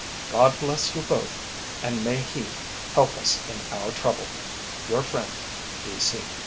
God bless you both, and may He help us in our trouble. Your friend, B. C."